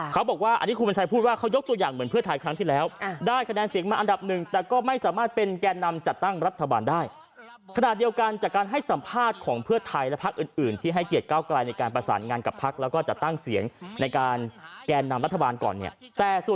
เขาบอกว่าอันนี้คุณบัญชัยพูดว่างเขายกตัวอย่างเหมือนเพื่อไทยครั้งที่แล้ว